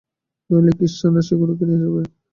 নইলে ক্রিশ্চানরা সেগুলিকে নিয়ে যাবে।